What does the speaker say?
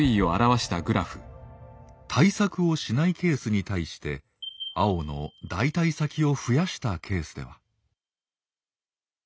対策をしないケースに対して青の代替先を増やしたケースでは。